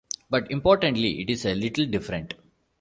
But, importantly, it is a little different.